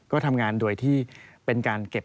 ก็ทำงานโดยที่เป็นการเก็บ